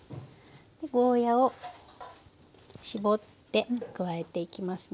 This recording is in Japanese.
ゴーヤーを搾って加えていきますね。